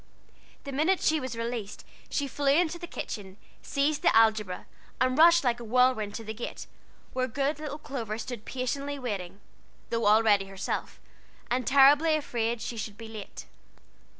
The minute she was released she flew into the kitchen, seized the algebra, and rushed like a whirlwind to the gate, where good little Clover stood patiently waiting, though all ready herself, and terribly afraid she should be late.